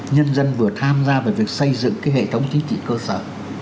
nhân dân vừa tham gia vào việc xây dựng cái hệ thống chính trị cơ sở